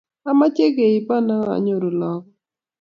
Ameche keibon akanyoru lagok